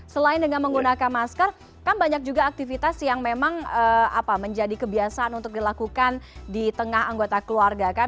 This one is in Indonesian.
selain dengan menggunakan masker kan banyak juga aktivitas yang memang menjadi kebiasaan untuk dilakukan di tengah anggota keluarga kan